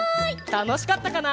たのしかったかな？